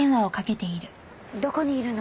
どこにいるの？